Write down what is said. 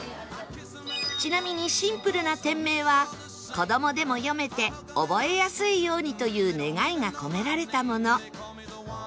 ちなみにシンプルな店名は子どもでも読めて覚えやすいようにという願いが込められたもの